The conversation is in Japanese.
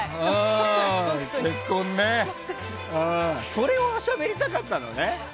それをしゃべりたかったのね。